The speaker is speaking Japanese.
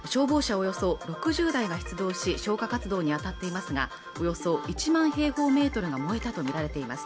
およそ６０台が出動し消火活動にあたっていますがおよそ１万平方メートルが燃えたとみられています